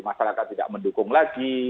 masyarakat tidak mendukung lagi